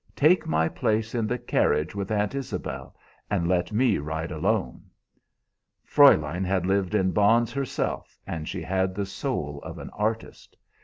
Take my place in the carriage with Aunt Isabel, and let me ride alone.' "Fräulein had lived in bonds herself, and she had the soul of an artist.